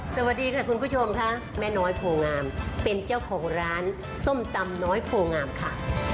สวัสดีค่ะคุณผู้ชมค่ะแม่น้อยโพงามเป็นเจ้าของร้านส้มตำน้อยโพงามค่ะ